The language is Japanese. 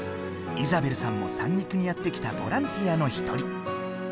イザベルさんも三陸にやって来たボランティアの一人。